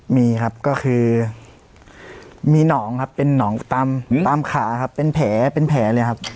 มีครับก็คือมีหนองครับเป็นหนองตามขาครับเป็นแผลเป็นแผลเลยครับ